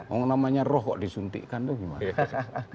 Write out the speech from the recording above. yang namanya roh kok disuntikan itu gimana